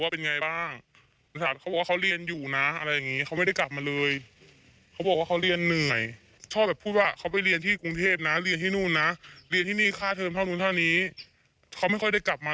มันจริงหรือเปล่าอ่ะเดี๋ยวไปฟังนะคะ